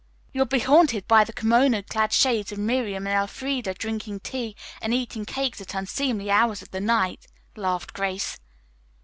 "You'll be haunted by the kimono clad shades of Miriam and Elfreda drinking tea and eating cakes at unseemly hours of the night," laughed Grace.